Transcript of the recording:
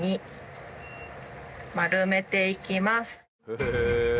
へえ。